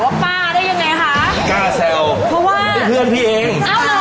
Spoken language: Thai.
กล้าแซวเพื่อนพี่เอง